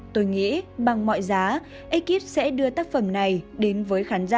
tôi nghĩ bằng mọi giá ekip sẽ đưa tác phẩm này đến với khán giả